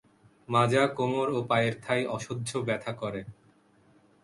মাজা, কোমর ও পায়ের থাই অসহ্য ব্যথা করে।